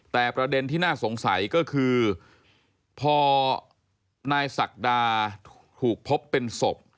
แต่ประเด็นที่น่าสงสัยก็คือพอนายศักดาถูกพบเป็นศพ